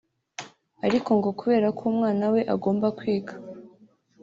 ariko ngo kubera ko umwana we agomba kwiga